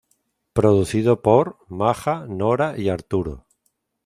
Producido por: Maja, Nora y Arturo.